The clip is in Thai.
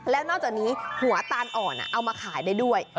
แล้วนอกจากนี้หัวตาลอ่อนเอามาขายได้ด้วย